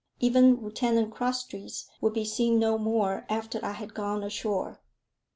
Even Lieutenant Crosstrees would be seen no more after I had gone ashore.